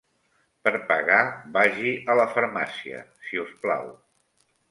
Per pagar vagi a la farmàcia, si us plau.